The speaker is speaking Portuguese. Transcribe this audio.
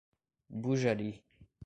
Bujari